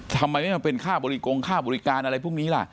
ทำไมไม่มาเป็นค่าบริกงค่าบริการอะไรพวกนี้ล่ะ